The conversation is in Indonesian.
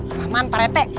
kelamaan pak rete